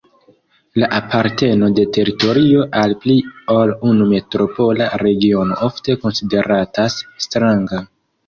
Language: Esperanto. La aparteno de teritorio al pli ol unu metropola regiono ofte konsideratas stranga.